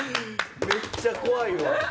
めっちゃ怖いわ。